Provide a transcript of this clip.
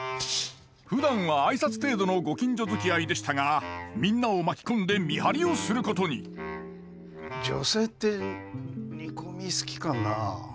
ふだんは挨拶程度のご近所づきあいでしたがみんなを巻き込んで見張りをすることに女性って煮込み好きかなあ。